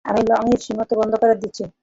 আমি লংইউর সীমান্ত বন্ধ করে দিয়েছি।